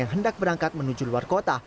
yang hendak berangkat menuju luar kota